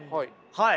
はい。